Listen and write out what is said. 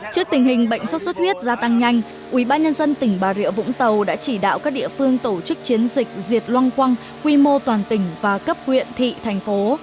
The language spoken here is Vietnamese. trước tình hình bệnh sốt xuất huyết gia tăng nhanh ubnd tỉnh bà rịa vũng tàu đã chỉ đạo các địa phương tổ chức chiến dịch diệt loang quăng quy mô toàn tỉnh và cấp huyện thị thành phố